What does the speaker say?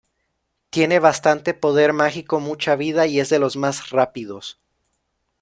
Tiene bastante poder mágico, mucha vida y es de los más rápidos.